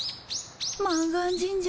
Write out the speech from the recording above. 満願神社